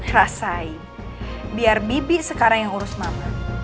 rasai biar bibi sekarang yang urus mama